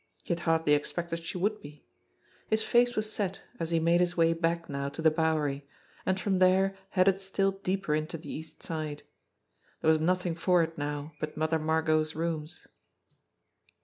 He had hardly expected she would be. His face was set as he made his way back now to the Bowery, and from there headed still deeper into the East Side. There was nothing for it now but Mother Margot's rooms.